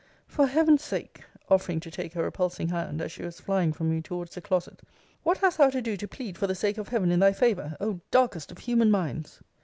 For Heaven's sake, offering to take her repulsing hand, as she was flying from me towards the closet. What hast thou to do to plead for the sake of Heaven in thy favour! O darkest of human minds!